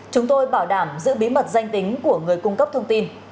chúng tôi bảo đảm giữ bí mật danh tính của người cung cấp thông tin